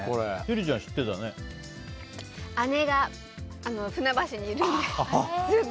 姉が船橋にいるので。